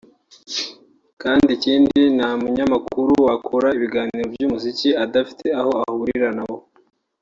kandi ikindi nta munyamakuru wakora ibiganiro by’umuziki adafite aho ahurira na wo